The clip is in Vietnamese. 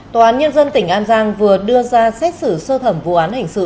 tòa án nhân dân tỉnh an giang vừa đưa ra xét xử sơ thẩm vụ án hình sự